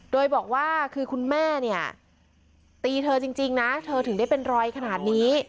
โดยบอกว่าคือคุณแม่เนี่ยตีเธอจริงนะเธอถึงได้เป็นรอยขนาดนี้